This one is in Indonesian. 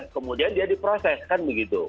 kemudian dia diproses kan begitu